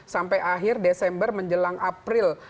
sampai akhir desember menjelang april